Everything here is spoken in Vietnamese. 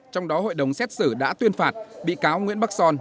trong đó hội đồng xét xử đã tuyên phạt bị cáo nguyễn bắc son